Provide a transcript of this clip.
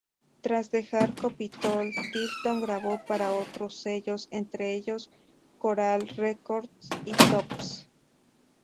Tras dejar Capitol, Tilton grabó para otros sellos, entre ellos Coral Records y Tops.